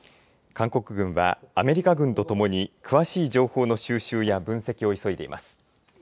韓国軍はアメリカ軍とともに詳しい情報の収集や分析を急いでいます。